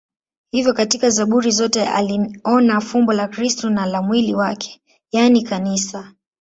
Hivyo katika Zaburi zote aliona fumbo la Kristo na la mwili wake, yaani Kanisa.